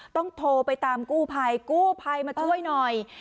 ต้องโทรไปตามกู้ภัยกู้ภัยมาช่วยหน่อย